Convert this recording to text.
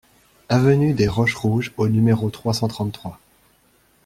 Avenue des Roches Rouges au numéro trois cent trente-trois